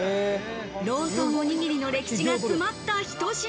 ローソンおにぎりの歴史が詰まったひと品。